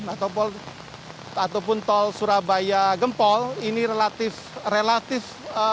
ataupun tol surabaya gempol ini relatif